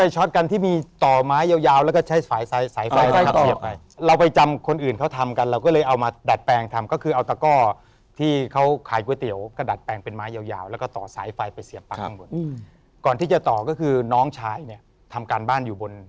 ช็อตปลาเหมือนที่เด็กวัยรุ่นช็อตกัน